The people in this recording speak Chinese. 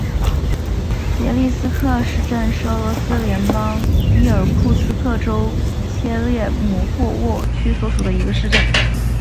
别利斯克市镇是俄罗斯联邦伊尔库茨克州切列姆霍沃区所属的一个市镇。